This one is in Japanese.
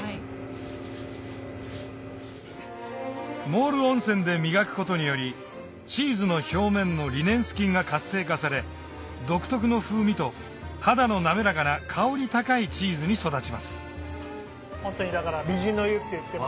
モール温泉で磨くことによりチーズの表面のリネンス菌が活性化され独特の風味と肌の滑らかな香り高いチーズに育ちます